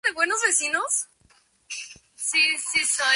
Desde su infancia mostró un gran talento por la pintura.